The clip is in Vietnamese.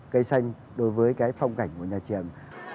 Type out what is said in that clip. cây xanh đối với cái phong cảnh của nhà trường